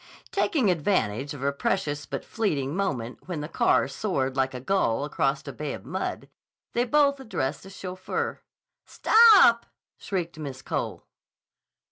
Taking advantage of a precious but fleeting moment when the car soared like a gull across a bay of mud, they both addressed the chauffeur. "Stop!" shrieked Miss Cole.